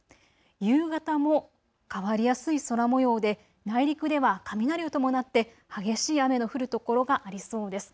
夕方も変わりやすい空もようで内陸では雷を伴って激しい雨の降る所がありそうです。